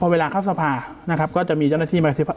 พอเวลาเข้าสภาครับก็จะมีเจ้าหน้าที่มาสิ้นว่า